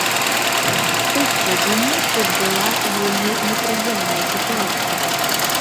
У студзені тут была вельмі непрыемная сітуацыя.